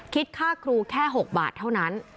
คิดค่าครูแค่๖บาทเท่านั้น